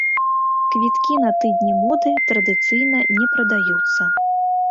Квіткі на тыдні моды традыцыйна не прадаюцца.